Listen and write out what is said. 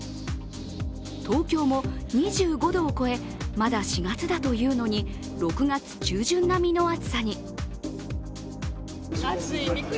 東京も２５度を超え、まだ４月だというのに６月中旬並みの暑さに。